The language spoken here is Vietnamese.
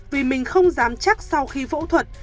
vì mình không dám chắc sau khi phẫu thuật